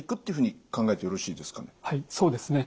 はいそうですね。